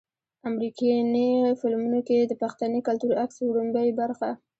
امريکني فلمونو کښې د پښتني کلتور عکس وړومبۍ برخه